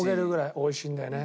美味しいんだよね。